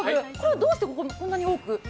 どうしてこんなに多く？